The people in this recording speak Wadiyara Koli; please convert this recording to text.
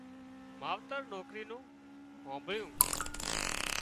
ماوتر نوڪرِي نُون هانڀۯينَ